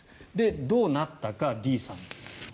どうなったか、Ｄさん。